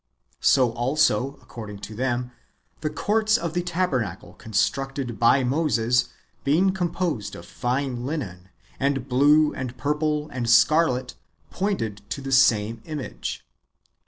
So also, according to them, the courts" of the tabernacle constructed by Moses, being composed of fine linen, and blue, and purple, and scarlet, pointed to the same image.